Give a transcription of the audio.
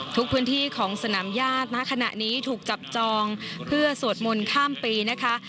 พื้นที่ของสนามญาติณขณะนี้ถูกจับจองเพื่อสวดมนต์ข้ามปีนะคะ